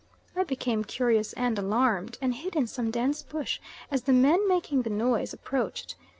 I became cautious and alarmed, and hid in some dense bush as the men making the noise approached.